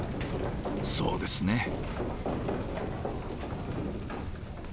そうですね。